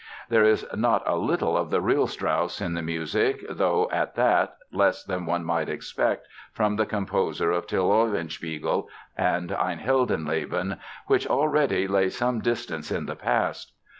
There is not a little of the real Strauss in the music, though at that, less than one might expect from the composer of Till Eulenspiegel and Ein Heldenleben which already lay some distance in the past.